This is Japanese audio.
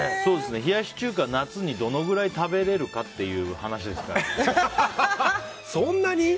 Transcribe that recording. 冷やし中華、夏にどのくらい食べられるかっていうそんなに？